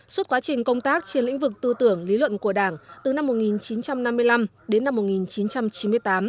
suốt quá trình công tác trên lĩnh vực tư tưởng lý luận của đảng từ năm một nghìn chín trăm năm mươi năm đến năm một nghìn chín trăm chín mươi tám